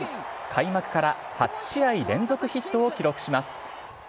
開幕から８試合連続ヒットを記録します。